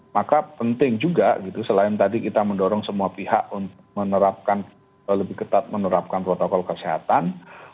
maka penting juga gitu selain tadi kita mendorong semua pihak untuk menerapkan lebih ketat menerapkan protokol kesehatan